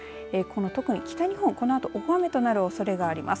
特に北日本、このあと大雨となるおそれがあります。